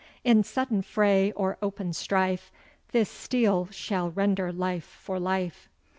In sudden fray, or open strife, This steel shall render life for life."